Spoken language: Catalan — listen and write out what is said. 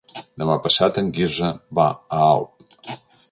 Demà passat en Quirze va a Alp.